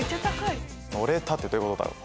乗れたってどういうことだろう？